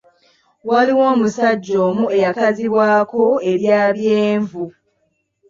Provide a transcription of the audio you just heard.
Waaliwo omusajja omu eyakazibwako erya Byenvu.